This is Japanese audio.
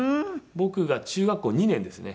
僕が中学校２年ですね。